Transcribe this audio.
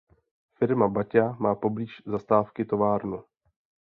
Firma Baťa má poblíž zastávky továrnu.